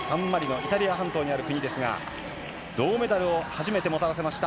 イタリア半島にある国ですが、銅メダルを初めてもたらしました。